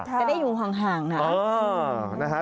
จะได้อยู่ห่างนะ